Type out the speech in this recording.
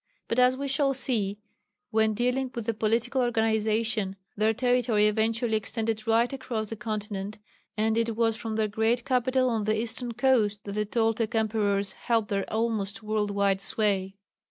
But as we shall see when dealing with the political organization, their territory eventually extended right across the continent, and it was from their great capital on the eastern coast that the Toltec emperors held their almost world wide sway.